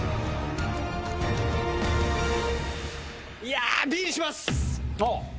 いやＢにします！